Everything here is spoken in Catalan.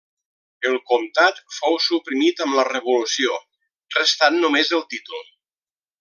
El comtat fou suprimit amb la revolució restant només el títol.